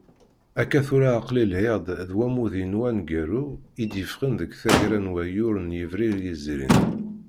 Akka tura aql-i lhiɣ-d d wammud-inu aneggaru I d-yeffɣen deg taggara n wayyur n yebrir yezrin.